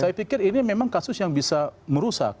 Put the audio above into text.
saya pikir ini memang kasus yang bisa merusak